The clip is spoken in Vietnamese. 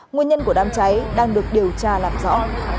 nguyên nhân của đám cháy đang được điều tra làm rõ